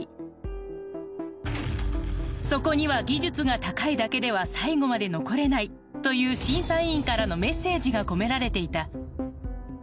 そこには技術が高いだけでは最後まで残れないという審査員からのメッセージが込められていた。